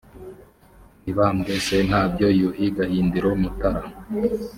mibambwe sentabyo, yuhi gahindiro, mutara